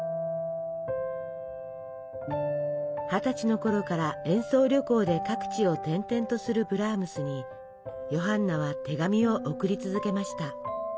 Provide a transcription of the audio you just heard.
二十歳のころから演奏旅行で各地を転々とするブラームスにヨハンナは手紙を送り続けました。